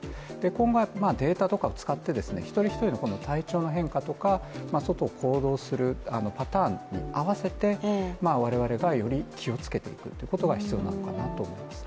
今後データとかを使って一人一人の体調の変化とか行動するパターンに合わせて我々がより気をつけていくということが必要なのかなと思いますね。